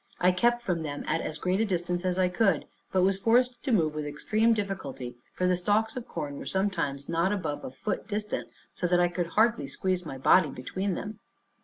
I kept from them at as great a distance as I could, but was forced to move with extreme difficulty, for the stalks of corn were sometimes not above a foot distant, so that I could hardly squeeze my body between them.